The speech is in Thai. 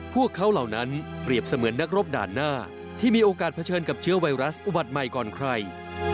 พวกเขาเหล่านั้นเปรียบเสมือนนักรบด่านหน้าที่มีโอกาสเผชิญกับเชื้อไวรัสอุบัติใหม่ก่อนใคร